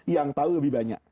yang tahu lebih banyak